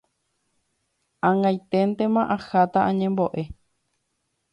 Ag̃aiténtema aháta añembo'e.